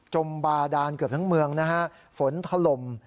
จมบาดานเกือบทั้งเมืองนะฮะฝนถล่ม